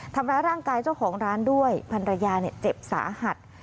ทำร้ายร่างกายเจ้าของร้านด้วยพันรยาเจ็บสาหัส